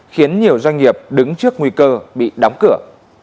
khiến nhiều doanh nghiệp đứng trước nguy cơ bị đóng cửa